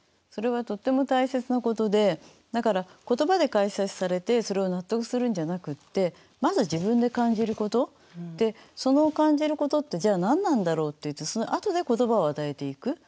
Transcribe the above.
それはとっても大切なことでだから言葉で解説されてそれを納得するんじゃなくってまず自分で感じることでその感じることってじゃあ何なんだろう？っていってそのあとで言葉を与えていく。